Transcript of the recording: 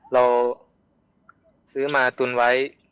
เราซื้อมาตุนไว้